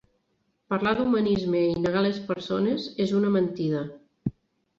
Parlar d'humanisme i negar les persones és una mentida.